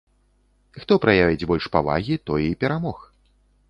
Хто праявіць больш павагі, той і перамог.